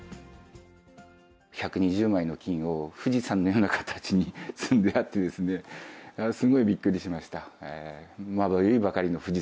１２０枚の金を、富士山のような形に積んであってですね、すごいびっくりしました。